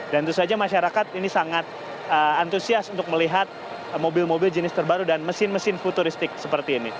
dan itu saja masyarakat ini sangat antusias untuk melihat mobil mobil jenis terbaru dan mesin mesin futuristik seperti ini